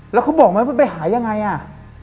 แล้วเขาบอกไหมว่าไปหายังไงอ่ะ